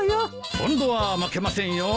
今度は負けませんよ。